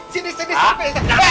sini sini sampai